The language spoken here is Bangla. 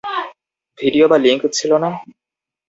ভিডিও বা লিংক ছিলো না?